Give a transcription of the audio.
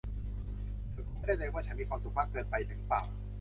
ฉันพูดไม่ได้เลยว่าฉันมีความสุขมากเกินไปหรือเปล่า